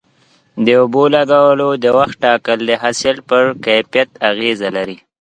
د اوبو لګولو د وخت ټاکل د حاصل پر کیفیت اغیزه لري.